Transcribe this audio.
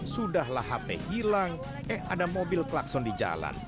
sudahlah hp hilang eh ada mobil klakson di jalan